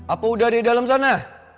apa udah di dalam sana